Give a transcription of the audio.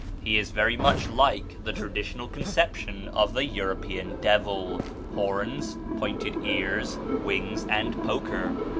He is very much like the traditional conception of the European devil horns, pointed ears, wings, and poker.